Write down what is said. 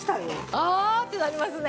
「あーっ！」ってなりますね。